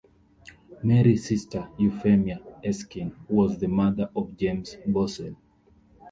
Mary's sister Euphemia Erskine, was the mother of James Boswell.